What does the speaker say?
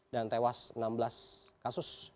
dan tewas enam belas kasus